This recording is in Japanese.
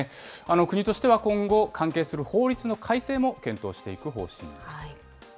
国としては今後、関係する法律の改正も検討していく方針です。